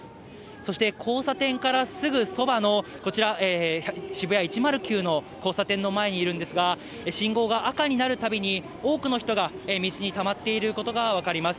そして、交差点からすぐそばのこちら、シブヤ１０９の交差点の前にいるんですが、信号が赤になるたびに、多くの人が道にたまっていることが分かります。